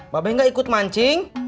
bapak gak ikut mancing